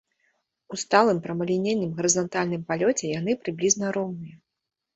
У сталым прамалінейным гарызантальным палёце яны прыблізна роўныя.